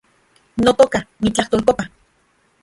Notoka , nitlajtolkopa